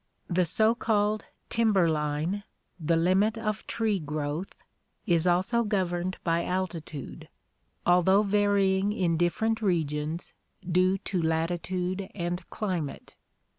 The so called timber line, the limit of tree growth, is also governed by altitude, although varying in different regions, due to latitude and climate.